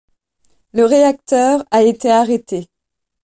Le réacteur a été arrêté.